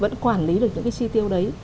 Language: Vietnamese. vẫn quản lý được những cái chi tiêu đấy